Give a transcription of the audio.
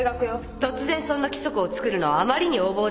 突然そんな規則を作るのはあまりに横暴では。